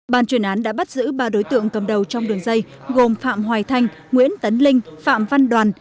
ban chuyên án đã bắt giữ ba đối tượng cầm đầu trong đường dây gồm phạm hoài thanh nguyễn tấn linh phạm văn đoàn